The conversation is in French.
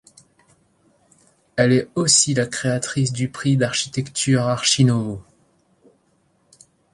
Elle est aussi la créatrice du prix d’architecture Archinovo.